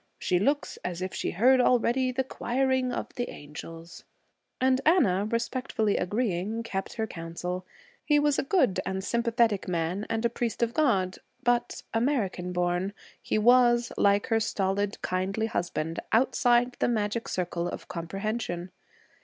She looks as if she heard already the choiring of the angels.' And Anna, respectfully agreeing, kept her counsel. He was a good and sympathetic man and a priest of God, but, American born, he was, like her stolid, kindly husband, outside the magic circle of comprehension.